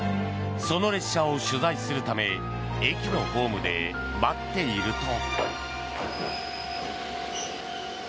その列車を取材するため駅のホームで待っていると。